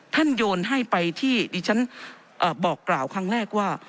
โยนให้ไปที่ดิฉันบอกกล่าวครั้งแรกว่า